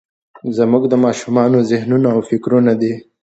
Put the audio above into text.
زموږ د ماشومانو ذهنونه او فکرونه دي.